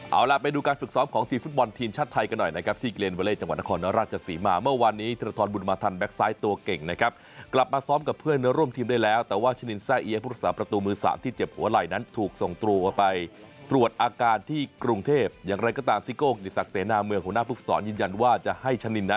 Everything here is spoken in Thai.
เอาล่ะไปดูการฝึกซ้อมของทีมฟุตบอลทีมชาติไทยกันหน่อยนะครับที่เกรนเวเลจังหวัดนครราชศรีมา